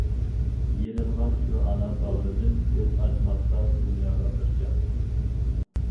يېرىلغان شۇ ئانا باغرىدىن، كۆز ئاچماقتا دۇنياغا بىر جان.